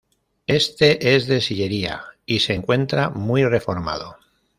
Este es de sillería y se encuentra muy reformado.